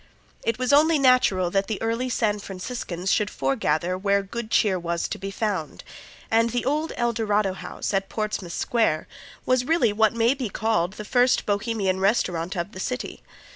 It was only natural that the early San Franciscans should foregather where good cheer was to be found, and the old El Dorado House, at Portsmouth Square, was really what may be called the first Bohemian restaurant of the city.